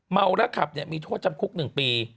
เมาและขับมีโทษจำคุก๑ปี